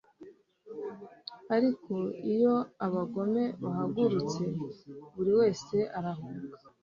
ariko iyo abagome bahagurutse, buri wese arahunga